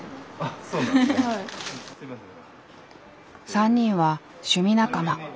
３人は趣味仲間。